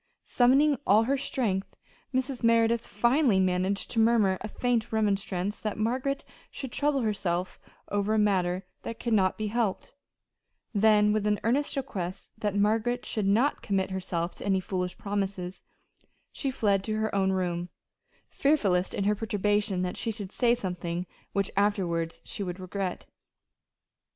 Summoning all her strength, Mrs. Merideth finally managed to murmur a faint remonstrance that Margaret should trouble herself over a matter that could not be helped; then with an earnest request that Margaret should not commit herself to any foolish promises, she fled to her own room, fearful lest, in her perturbation, she should say something which she would afterward regret.